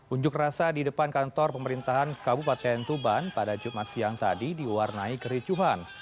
unjuk rasa di depan kantor pemerintahan kabupaten tuban pada jumat siang tadi diwarnai kericuhan